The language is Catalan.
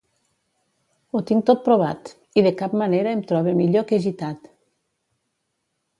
Ho tinc tot provat, i de cap manera em trobe millor que gitat.